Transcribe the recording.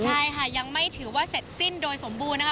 ใช่ค่ะยังไม่ถือว่าเสร็จสิ้นโดยสมบูรณ์นะคะ